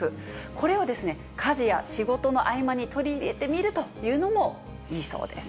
これを家事や仕事の合間に取り入れてみるというのもいいそうです。